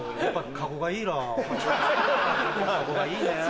カゴがいいね。